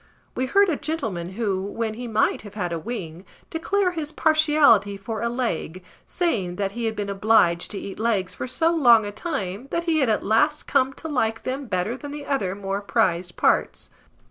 We heard a gentleman who, when he might have had a wing, declare his partiality for a leg, saying that he had been obliged to eat legs for so long a time, that he had at last come to like them better than the other more prized parts.